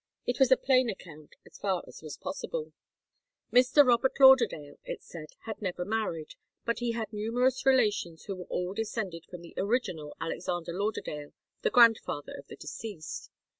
It was a plain account, as far as was possible. Mr. Robert Lauderdale, it said, had never married; but he had numerous relations, who were all descended from the original Alexander Lauderdale, the grandfather of the deceased.